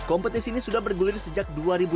kompetisi ini sudah bergulir sejak dua ribu tiga